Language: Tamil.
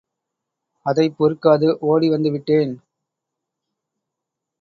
அதைப் பொறுக்காது ஓடி வந்துவிட்டேன்.